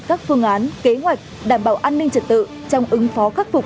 các phương án kế hoạch đảm bảo an ninh trật tự trong ứng phó khắc phục